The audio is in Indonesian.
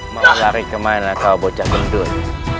mau lari kemana kau bocah gendut